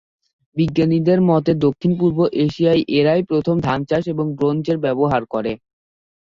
বিজ্ঞানীদের মতে দক্ষিণ পূর্ব এশিয়ায় এরাই প্রথম ধান চাষ এবং ব্রোঞ্জের ব্যবহার করে।